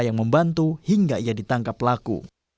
yang membantu hingga ia ditangkap pelaku